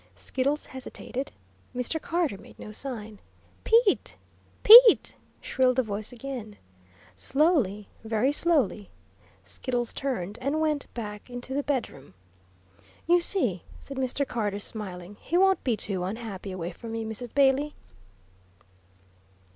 Skiddles hesitated. Mr. Carter made no sign. "Pete! Pete!" shrilled the voice again. Slowly, very slowly, Skiddles turned and went back into the bedroom. "You see," said Mr. Carter, smiling, "he won't be too unhappy away from me, Mrs. Bailey."